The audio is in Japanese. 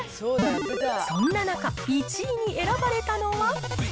そんな中、１位に選ばれたのは。